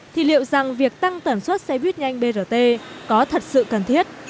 thì liệu rằng việc tăng tẩn xuất xe bít nhanh brt có thật sự cần thiết